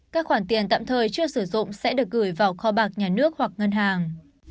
các khoản tiền tạm thời chưa sử dụng sẽ được gửi vào kho bạc nhà nước hoặc ngân hàng